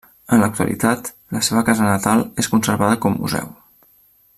En l'actualitat, la seva casa natal és conservada com museu.